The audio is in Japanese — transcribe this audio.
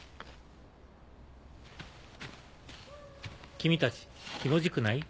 君たちひもじくない？